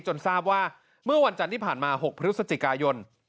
จนทราบว่าเมื่อวันจันทร์ที่ผ่านมา๖พศย